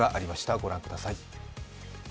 ご覧ください。